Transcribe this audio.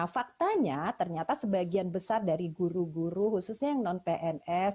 faktanya ternyata sebagian besar dari guru guru khususnya yang non pns